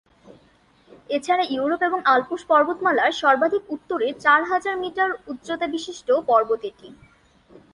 এছাড়া ইউরোপ এবং আল্পস পর্বতমালার সর্বাধিক উত্তরের চার হাজার মিটার উচ্চতাবিশিষ্ট পর্বত এটি।